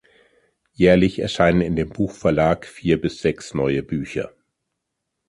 Jährlich erscheinen in dem Buchverlag vier bis sechs neue Bücher.